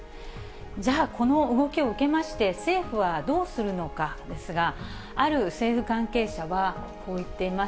じゃあ、この動きを受けまして、政府はどうするのかですが、ある政府関係者は、こう言っています。